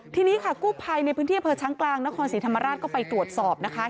ทีนี้ค่ะกู้ภัยในพื้นที่อำเภอช้างกลางนครศรีธรรมราชก็ไปตรวจสอบนะคะ